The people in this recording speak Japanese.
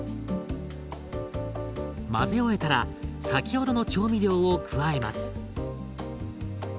混ぜ終えたら先ほどの調味料を加えます。